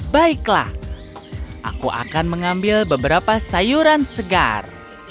baiklah aku akan mengambil beberapa sayuran segar